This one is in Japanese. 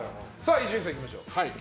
伊集院さん、いきましょう。